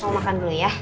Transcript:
mau makan dulu ya